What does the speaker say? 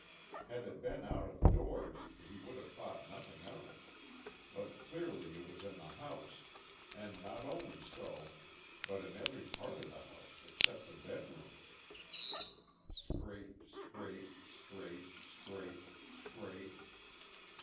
Had it been out of doors he would have thought nothing of it; but clearly it was in the house, and not only so, but in every part of the house except the bedrooms. Scrape, scrape, scrape, scrape, scrape.